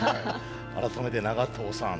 改めて長藤さん。